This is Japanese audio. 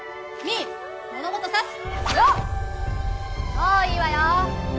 そういいわよ。